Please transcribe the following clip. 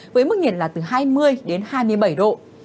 với mức nhiệt là từ hai mươi đến hai mươi bảy độ